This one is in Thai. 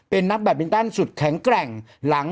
พี่ปั๊ดเดี๋ยวมาที่ร้องให้